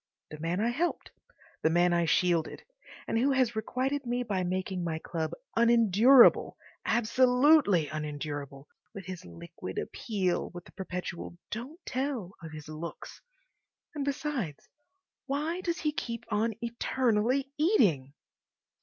The man I helped, the man I shielded, and who has requited me by making my club unendurable, absolutely unendurable, with his liquid appeal, with the perpetual "don't tell" of his looks. And, besides, why does he keep on eternally eating?